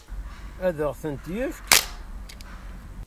Ad ɣ-tent-yefk?